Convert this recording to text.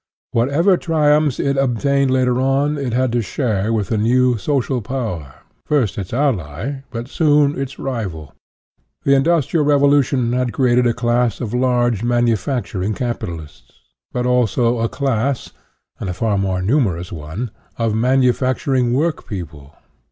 Whatever triumphs it obtained later on, it had to share with a new social power, first its ally, but soon its rival. The industrial revolution had created a class of large manufacturing capitalists, but also a 36 INTRODUCTION class and a far more numerous one of man ufacturing work people.